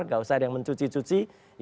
gak usah ada yang mencuci cuci